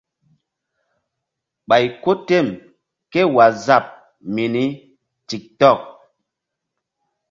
Ɓay ko tem ké waazap mini tik tok.